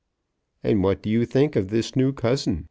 "And what do you think of this new cousin?"